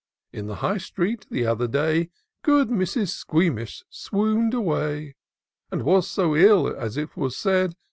In the High street, the other day. Good Mrs. Squeamish swoon'd away, And was so ill, as it is said.